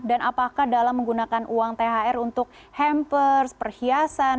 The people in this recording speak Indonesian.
dan apakah dalam menggunakan uang thr untuk hampers perhiasan